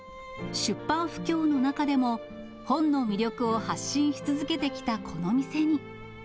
出版不況の中でも、本の魅力を発信し続けてきたこの店に。